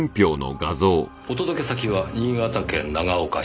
お届け先は「新潟県長岡市寺泊」。